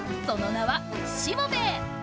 その名は「しもべえ」！